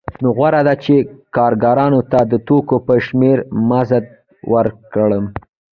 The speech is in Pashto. نو غوره ده چې کارګرانو ته د توکو په شمېر مزد ورکړم